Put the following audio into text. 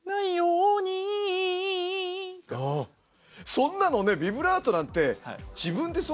そんなのねビブラートなんて自分でそんな。